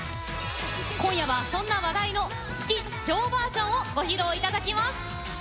今夜は、そんな話題の「すきっ！超ｖｅｒ」をご披露いただきます。